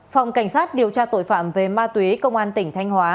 phòng cảnh sát điều tra tội phạm về ma túy công an tỉnh thanh hóa